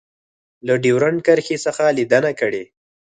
له ډیورنډ کرښې څخه لیدنه کړې